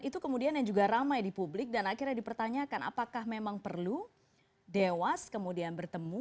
itu kemudian yang juga ramai di publik dan akhirnya dipertanyakan apakah memang perlu dewas kemudian bertemu